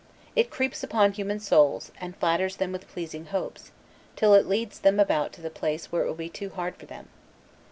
It creeps upon human souls, and flatters them with pleasing hopes, till it leads them about to the place where it will be too hard for them.